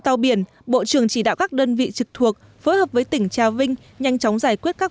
tàu biển bộ trưởng chỉ đạo các đơn vị trực thuộc phối hợp với tỉnh trà vinh nhanh chóng giải quyết các